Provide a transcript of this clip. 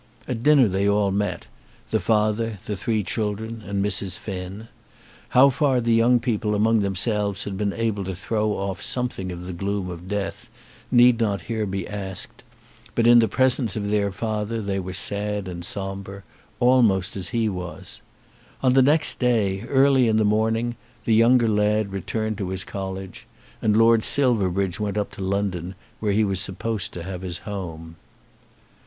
At dinner they all met, the father, the three children, and Mrs. Finn. How far the young people among themselves had been able to throw off something of the gloom of death need not here be asked; but in the presence of their father they were sad and sombre, almost as he was. On the next day, early in the morning, the younger lad returned to his college, and Lord Silverbridge went up to London, where he was supposed to have his home.